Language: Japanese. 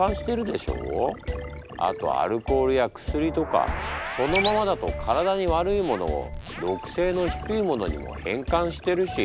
あとアルコールや薬とかそのままだと体に悪いものを毒性の低いものにも変換してるし。